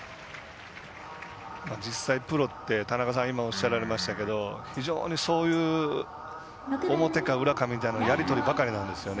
実際、プロって田中さんが今おっしゃられましたが非常にそういう表か裏かみたいなやり取りばかりなんですよね。